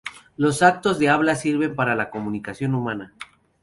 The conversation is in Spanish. Los actos de habla sirven para la comunicación humana.